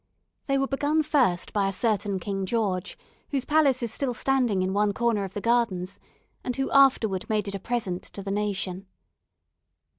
They were begun first by a certain King George, whose palace is still standing in one corner of the gardens, and who afterward made it a present to the nation.